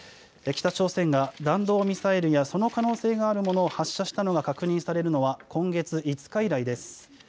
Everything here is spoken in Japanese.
北朝鮮が弾道ミサイルやその可能性があるものを発射したのが確認されるのは今月５日以来です。